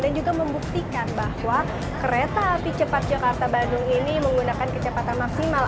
dan juga membuktikan bahwa kereta api cepat jakarta bandung ini menggunakan kecepatan maksimal